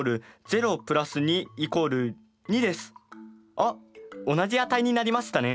あっ同じ値になりましたね。